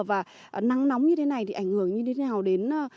và nắng nóng như thế này thì ảnh hưởng như thế nào đến